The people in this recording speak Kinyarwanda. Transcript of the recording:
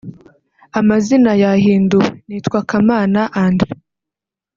Amazina yahinduwe) Nitwa Kamana André